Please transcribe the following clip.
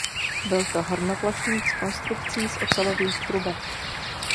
Byl to hornoplošník s konstrukcí z ocelových trubek.